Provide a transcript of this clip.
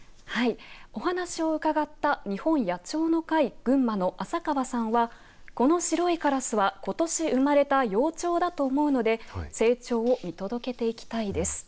お話を伺った日本野鳥の会群馬の浅川さんは、この白いカラスはことし生まれた幼鳥だと思うので成長を見届けていきたいです。